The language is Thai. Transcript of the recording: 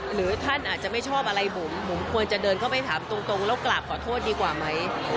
หรือท่านอาจจะไม่ชอบอะไรบุ๋มบุ๋มควรจะเดินเข้าไปถามตรงแล้วกราบขอโทษดีกว่าไหม